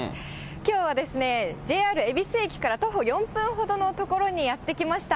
きょうはＪＲ恵比寿駅から徒歩４分ほどの所にやって来ました。